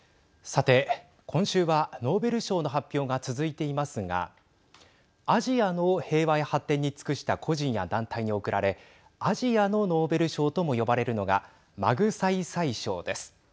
さて、今週はノーベル賞の発表が続いていますがアジアの平和や発展に尽くした個人や団体に贈られアジアのノーベル賞とも呼ばれるのがマグサイサイ賞です。